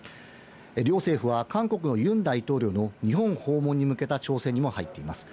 両政府は、韓国のユン大統領の日本訪問に向けた調整に入っています。